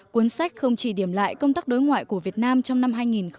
cuốn sách không chỉ điểm lại công tác đối ngoại của việt nam trong năm hai nghìn hai mươi